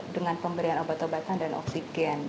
dengan pemberian obat obatan dan oksigen